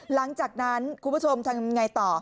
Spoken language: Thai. หลังจากนั้นคุณผู้ชมทำอย่างไรต่อ